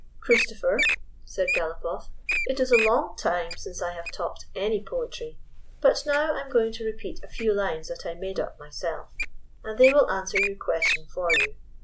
,," Christopher,'' said Galopoff, "it is a long time since I have talked any poetry, but now I 'in going to repeat a few lines that I made up myself, and they will answer your question for you.